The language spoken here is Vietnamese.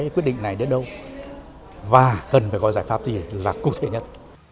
quyết định này đến đâu và cần phải có giải pháp gì là cụ thể nhất